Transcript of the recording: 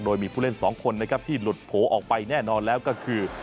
โดยมีผู้เล่นสองคนนะครับที่หลุดโผล่ออกไปแน่นอนแล้วก็คือ